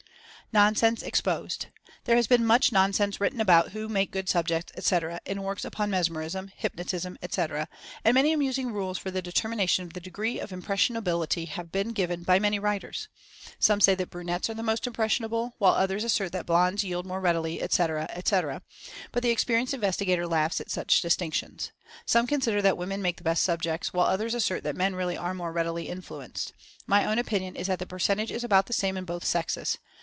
NONSENSE EXPOSED. There has been much nonsense written about "who make good subjects," etc., in works upon Mesmerism, Hypnotism, etc., and many amusing rules for the de termination of the degree of impressionability have been given by many writers. Some say that brunettes are the most impressionable, while others assert that blondes yield more readily, etc., etc.; but the experi enced investigator laughs at such distinctions. Some consider that women make the best subjects, while others assert that men really are more readily in fluenced. My own opinion is that the percentage is about the same in both sexes.